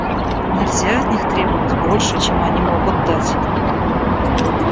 Нельзя от них требовать больше, чем они могут дать.